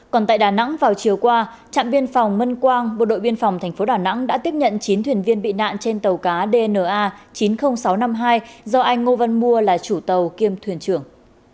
còn tại đà nẵng vào chiều qua trạm biên phòng mân quang bộ đội biên phòng tp đà nẵng đã tiếp nhận chín thuyền viên bị nạn trên tàu cá dna chín mươi nghìn sáu trăm năm mươi hai do anh ngô văn mua là chủ tàu kiêm thuyền trưởng